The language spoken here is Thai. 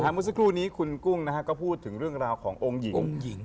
เมื่อสักครู่นี้คุณกุ้งก็พูดถึงเรื่องราวขององค์หญิง